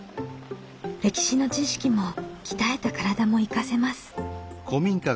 歴史の知識も鍛えた体も生かせます。